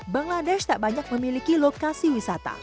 bangladesh tak banyak memiliki lokasi wisata